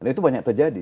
itu banyak terjadi